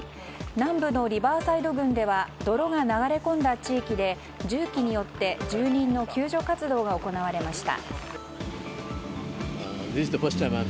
南部のリバーサイド郡では泥が流れ込んだ地域で重機によって住人の救助活動が行われました。